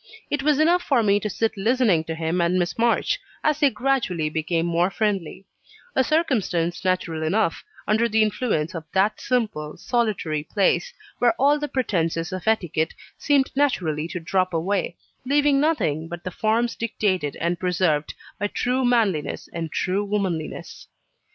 It was enough for me to sit listening to him and Miss March, as they gradually became more friendly; a circumstance natural enough, under the influence of that simple, solitary place, where all the pretences of etiquette seemed naturally to drop away, leaving nothing but the forms dictated and preserved by true manliness and true womanliness.